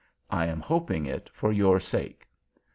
I am hoping it for your sake."